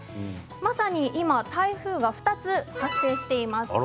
まさに今、台風が２つ発生しています。